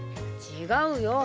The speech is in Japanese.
違うよ。